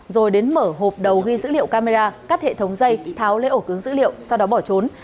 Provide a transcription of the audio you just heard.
rồi đến mở hộp đầu ghi dữ liệu camera cắt hệ thống dây tháo lấy ổ cứng dữ liệu sau đó bỏ trốn